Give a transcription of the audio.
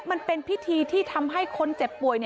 มันเป็นพิธีที่ทำให้คนเจ็บป่วย